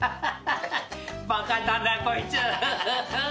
バカだなこいつ。